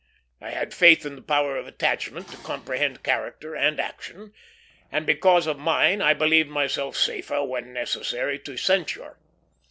I had faith in the power of attachment to comprehend character and action; and because of mine I believed myself safer when necessary to censure.